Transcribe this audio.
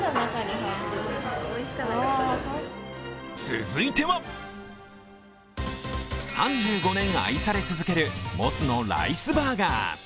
続いては、３５年愛され続けるモスのライスバーガー。